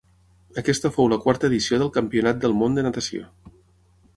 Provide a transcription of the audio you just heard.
Aquesta fou la quarta edició del Campionat del Món de natació.